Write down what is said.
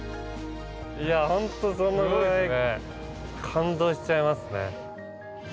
いやほんとそのぐらい感動しちゃいますね。